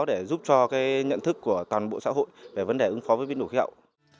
để giúp cho nhận thức của toàn bộ xã hội về vấn đề ứng phó với biến đổi khí hậu